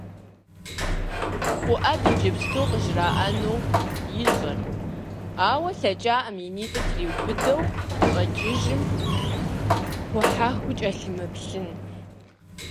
Фуӏэд иджыпсту къыжраӏэнур ищӏэрт, ауэ лъэкӏакъым и нитӏыр триубыдэу щӏэкӏыжым къухьэху кӏэлъымыплъын.